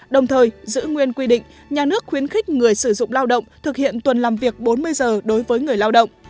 đồng thời giữ nguyên quy định nhà nước khuyến khích người sử dụng lao động thực hiện tuần làm việc bốn mươi giờ đối với người lao động